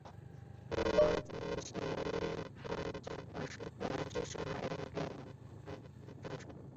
而中国足协也在官方网站上发表意见支持周海滨并将完善转会政策。